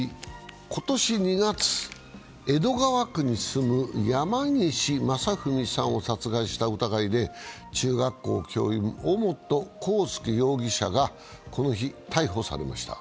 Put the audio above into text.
今年２月、江戸川区に住む山岸正文さんを殺害した疑いで、中学校教諭、尾本孝祐容疑者がこの日逮捕されました。